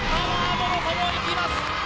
もろともいきます